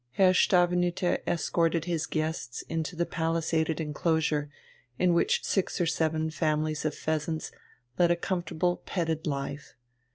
Herr Stavenüter escorted his guests into the palisaded enclosure in which six or seven families of pheasants led a comfortable, petted life.